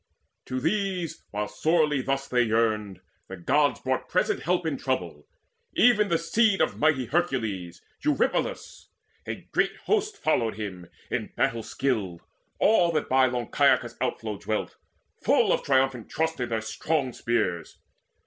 To these, while sorely thus they yearned, the Gods Brought present help in trouble, even the seed Of mighty Hercules, Eurypylus. A great host followed him, in battle skilled, All that by long Caicus' outflow dwelt, Full of triumphant trust in their strong spears.